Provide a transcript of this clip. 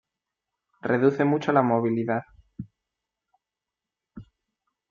Reduce mucho la movilidad.